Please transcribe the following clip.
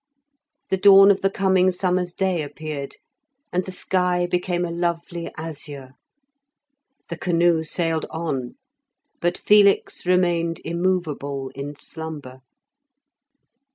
The dawn of the coming summer's day appeared, and the sky became a lovely azure. The canoe sailed on, but Felix remained immovable in slumber.